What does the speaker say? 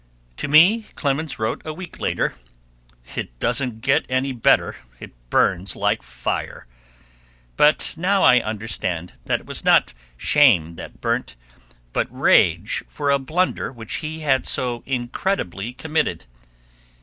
To me Clemens wrote a week later, "It doesn't get any better; it burns like fire." But now I understand that it was not shame that burnt, but rage for a blunder which he had so incredibly committed.